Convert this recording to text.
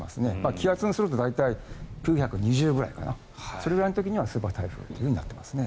気圧にすると大体９２０ぐらいかなそれぐらいの時にはスーパー台風となってますね。